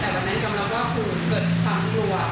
แต่อยากให้เข้าคำนี้ว่าคุณเกิดความฮักหัว